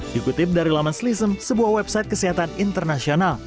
dikutip dari laman slisem sebuah website kesehatan internasional